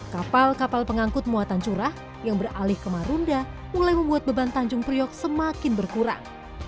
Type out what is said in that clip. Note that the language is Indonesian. kapal kapal pengangkut muatan curah yang beralih ke marunda mulai membuat beban tanjung priok semakin berkurang